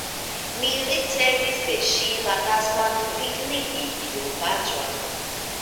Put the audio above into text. Mi ricevis de ŝi la taskon vigligi tiun paĝon.